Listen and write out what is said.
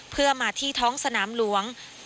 เพื่อมาที่ท้องสนามหลวง